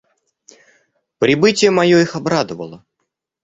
Прибытие мое их обрадовало.